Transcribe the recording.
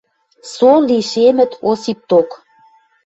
Со лишемӹт Осип док.